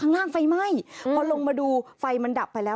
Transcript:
ข้างล่างไฟไหม้พอลงมาดูไฟมันดับไปแล้ว